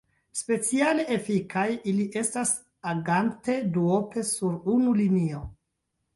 Speciale efikaj ili estas agante duope sur unu linio.